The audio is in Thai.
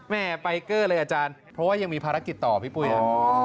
แม่ไปเกอร์เลยอาจารย์เพราะว่ายังมีภารกิจต่อพี่ปุ้ยฮะ